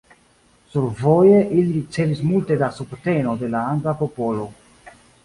Sur voje ili ricevis multe da subteno de la angla popolo.